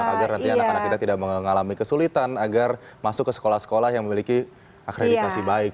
agar nanti anak anak kita tidak mengalami kesulitan agar masuk ke sekolah sekolah yang memiliki akreditasi baik